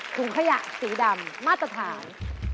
ถุงขยะสีดำมาตรฐาน